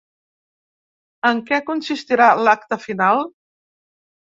En què consistirà l’acte final?